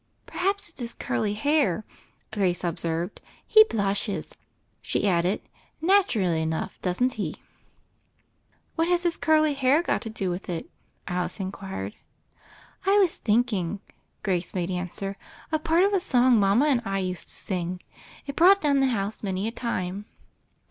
"Perhaps it's his curly hair," Grace observed. "He blushes," she added, "naturally enough, doesn't he?" "What has his curly hair got to do with it?" Alice inquired. "I was thinking," Grace made answer, "of part of a song mama and I used to sing. It brought down the house many a time.